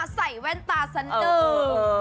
ใส่แว่นตาสนดื่ม